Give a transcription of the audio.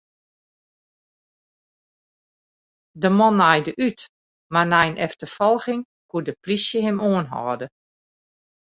De man naaide út, mar nei in efterfolging koe de plysje him oanhâlde.